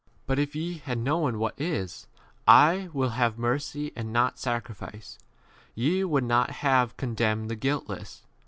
But if ye had known what is : I will [have] mercy and not sacrifice, ye would not have con 8 demned the guiltless.